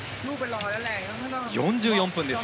４４分です。